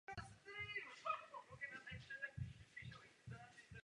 Profesí byl starostou Nových Zámků.